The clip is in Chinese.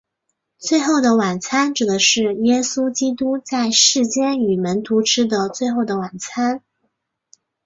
最后的晚餐指的是耶稣基督在世间与门徒吃的最后的晚餐。